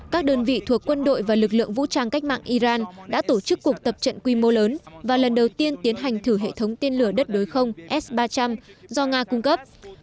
các đơn vị thuộc quân đội và lực lượng vũ trang cách mạng iran đã tổ chức cuộc tập trận quy mô lớn và lần đầu tiên tiến hành thử hệ thống tên lửa đất đối không s ba trăm linh do nga cung cấp